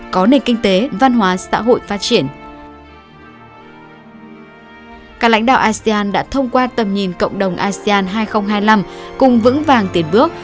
các lãnh đạo asean đã thông qua tầm nhìn cộng đồng asean hai nghìn hai mươi năm cùng vững vàng tiến bước